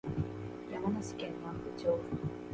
山梨県南部町